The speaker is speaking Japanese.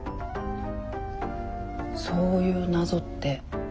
そういう謎って